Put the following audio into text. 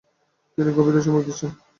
তিনি কফিতে চুমুক দিচ্ছেন।